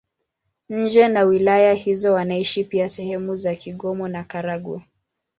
Nje na wilaya hizo wanaishi pia sehemu za Kigoma na Karagwe.